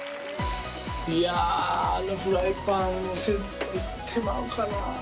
いやああのフライパンのセット買ってまうかな。